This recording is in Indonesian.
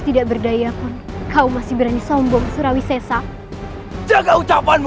tidak berdaya pun kau masih berani sombong surawisesa jaga ucapanmu